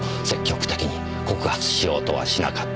積極的に告発しようとはしなかった。